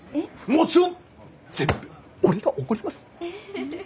もちろん全部俺がおごります。